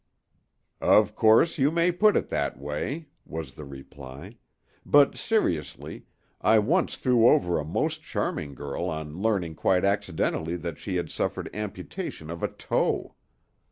"Of course you may put it that way," was the reply; "but, seriously, I once threw over a most charming girl on learning quite accidentally that she had suffered amputation of a toe.